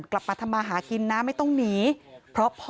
กลับมาทำมาหาคนนะ